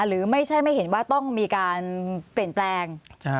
หรือไม่ใช่ไม่เห็นว่าต้องมีการเปลี่ยนแปลง